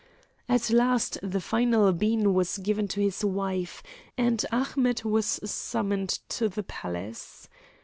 At last the final bean was given to his wife, and Ahmet was summoned to the Palace.